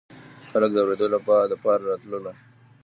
خلق د اورېدو دپاره راتللو